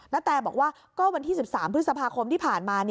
แตบอกว่าก็วันที่๑๓พฤษภาคมที่ผ่านมา